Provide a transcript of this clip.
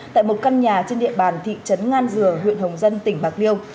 tại một căn nhà trên địa bàn thị trấn ngan dừa huyện hồng dân tỉnh bạc liêu